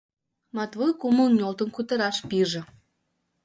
— Матвуй кумыл нӧлтын кутыраш пиже.